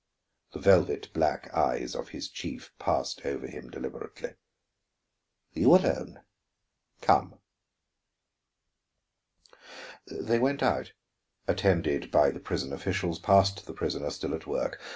The velvet black eyes of his chief passed over him deliberately. "You alone; come." They went out, attended by the prison officials, past the prisoner still at work.